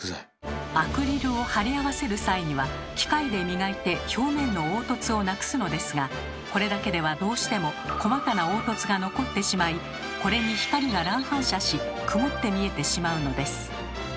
アクリルを貼り合わせる際には機械で磨いて表面の凹凸をなくすのですがこれだけではどうしても細かな凹凸が残ってしまいこれに光が乱反射し曇って見えてしまうのです。